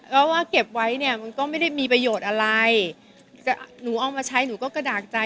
แล้วว่าเก็บไว้เนี่ยมันก็ไม่ได้มีประโยชน์อะไรหนูเอามาใช้หนูก็กระดากใจ